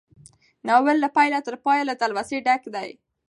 ناول له پيله تر پايه له تلوسې ډک دی.